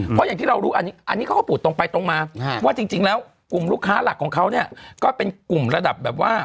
เพราะอย่างที่เรารู้อันนี้เขาก็พูดตรงไปตรงมาว่าจริงแล้วกลุ่มลูกค้าหลักของเขาเนี่ยก็เป็นกลุ่มระดับแบบว่า